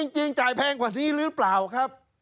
จริงจ่ายแพงกว่านี้หรือเปล่าครับ